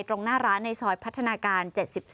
ตรงหน้าร้านในซอยพัฒนาการ๗๒